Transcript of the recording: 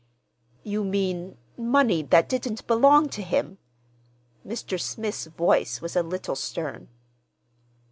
"You mean—money that didn't belong to him?" Mr. Smith's voice was a little stern.